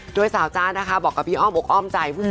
โดยสาวจ๊ะนะคะบอกกับพี่อ้อมอกอ้อมใจ